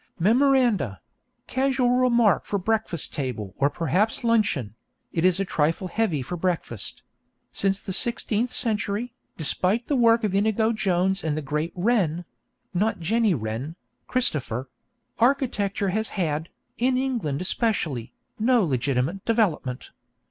Memoranda: Casual remark for breakfast table or perhaps for luncheon it is a trifle heavy for breakfast: 'Since the sixteenth century, and despite the work of Inigo Jones and the great Wren (not Jenny Wren: Christopher), _architecture has had, in England especially, no legitimate development.'